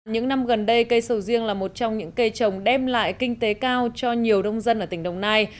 những năm gần đây cây sầu riêng là một trong những cây trồng đem lại kinh tế cao cho nhiều nông dân ở tỉnh đồng nai